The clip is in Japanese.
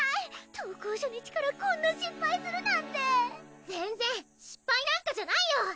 登校初日からこんな失敗するなんて全然失敗なんかじゃないよ！